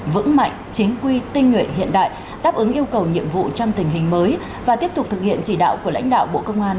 vững mạnh chính quy tinh nguyện hiện đại đáp ứng yêu cầu nhiệm vụ trong tình hình mới và tiếp tục thực hiện chỉ đạo của lãnh đạo bộ công an